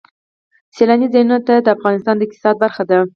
سیلانی ځایونه د افغانستان د اقتصاد برخه ده.